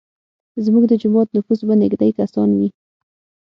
زموږ د جومات نفوس به نیږدی کسان وي.